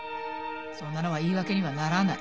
そんなのは言い訳にはならない。